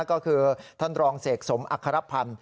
ก็คือท่านรองเศกสมัครพรรณ